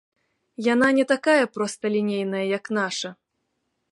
Яна не такая просталінейная, як наша.